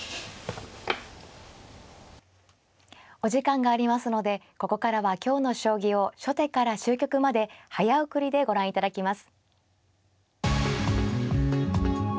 お時間がありますのでここからは今日の将棋を初手から終局まで早送りでご覧いただきます。